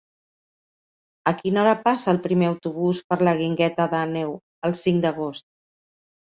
A quina hora passa el primer autobús per la Guingueta d'Àneu el cinc d'agost?